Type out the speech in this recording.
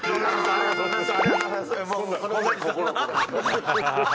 ありがとうございます。